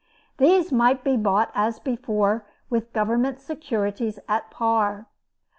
These might be bought as before, with Government securities at par.